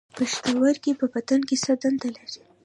پښتورګي په بدن کې څه دنده لري